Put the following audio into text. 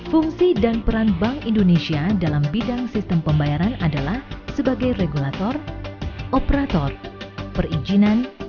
fungsi dan peran bank indonesia dalam bidang sistem pembayaran adalah sebagai regulator operator perizinan